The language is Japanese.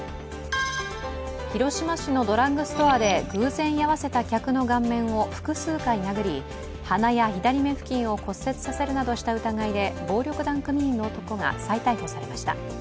広島市のドラッグストアで偶然居合わせた客の顔面を複数回殴り鼻や左目付近を骨折させるなどした疑いで暴力団組員の男が再逮捕されました。